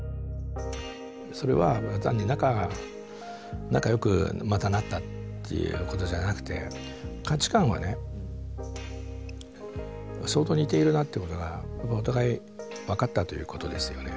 それは単に仲良くまたなったっていうことじゃなくて価値観はね相当似ているなっていうことがお互い分かったということですよね。